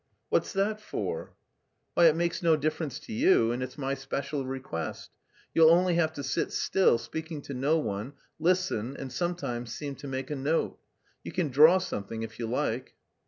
"What's that for?" "Why, it makes no difference to you, and it's my special request. You'll only have to sit still, speaking to no one, listen, and sometimes seem to make a note. You can draw something, if you like."